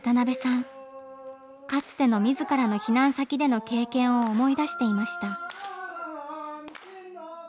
かつての自らの避難先での経験を思い出していました。